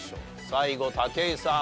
最後武井さん